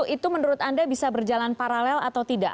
itu menurut anda bisa berjalan paralel atau tidak